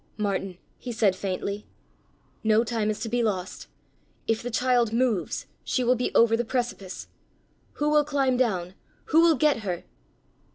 "Martin," he said faintly, "no time is to be lost. If the child moves she will be over the precipice. Who will climb down? Who will get her?"